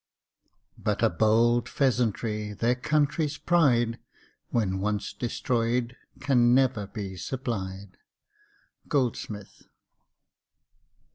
But a bold pheasantry, their country's pride When once destroyed can never be supplied. GOLDSMITH.